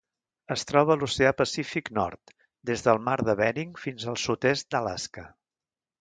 Es troba a l'Oceà Pacífic nord: des del Mar de Bering fins al sud-est d'Alaska.